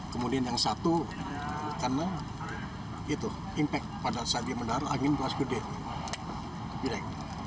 kemudian yang satu karena itu impact pada saat dia mendarat angin beras gede gedek